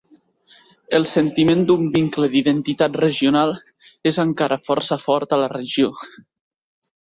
El sentiment d'un vincle d'identitat regional és encara força fort a la regió.